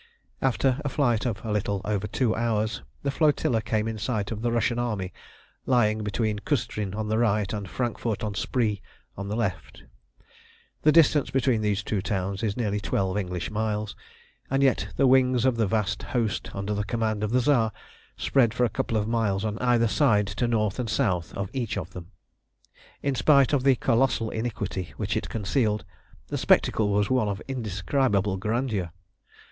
After a flight of a little over two hours the flotilla came in sight of the Russian army lying between Cüstrin on the right and Frankfort on Spree on the left. The distance between these two towns is nearly twelve English miles, and yet the wings of the vast host under the command of the Tsar spread for a couple of miles on either side to north and south of each of them. In spite of the colossal iniquity which it concealed, the spectacle was one of indescribable grandeur.